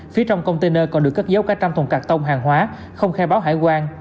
phía trong container còn được cất dấu cả trăm thùng cà tông hàng hóa không khai báo hải quan